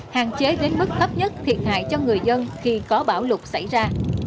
hạn chế đến mức thấp nhất thiệt hại cho người dân khi có bão lụt xảy ra